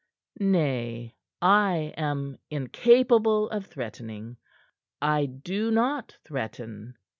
Nay, I am incapable of threatening. I do not threaten.